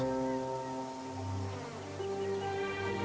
kekuatanmu tidak menakutkan mereka